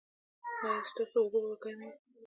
ایا ستاسو اوبه به ګرمې وي؟